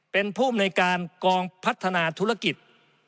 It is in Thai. เป็นผู้อำนวยการกองพัฒนาธุรกิจ